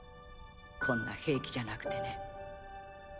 こんな兵器じゃなくてね。